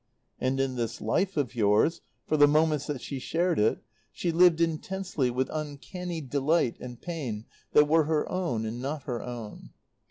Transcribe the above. And in this life of yours, for the moments that she shared it, she lived intensely, with uncanny delight and pain that were her own and not her own.